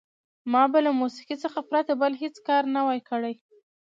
ما به له موسیقۍ څخه پرته بل هېڅ کار نه وای کړی.